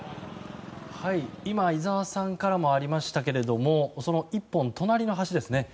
今、井澤さんからもありましたけれどもその１本隣の橋ですね。